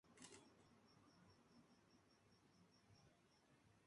Estudió en la Royal Academy of Dance.